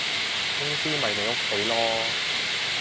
公司咪你屋企囉